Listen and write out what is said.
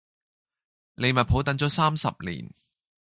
利物浦等咗三十年